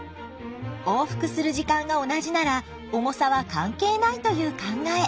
往復する時間が同じなら重さは関係ないという考え。